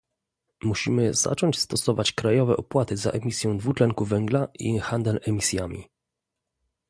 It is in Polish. Musimy zacząć stosować krajowe opłaty za emisję dwutlenku węgla i handel emisjami